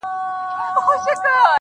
زه هم خطا وتمه.